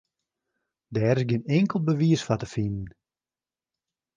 Dêr is gjin inkeld bewiis foar te finen.